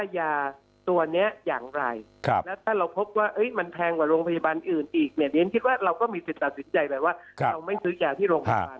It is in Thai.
ยาตัวนี้อย่างไรแล้วถ้าเราพบว่ามันแพงกว่าโรงพยาบาลอื่นอีกเนี่ยเรียนคิดว่าเราก็มีสิทธิ์ตัดสินใจไปว่าเราไม่ซื้อยาที่โรงพยาบาล